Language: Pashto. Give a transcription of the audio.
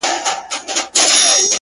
تالنده برېښنا يې خــوښـــــه ســوېده.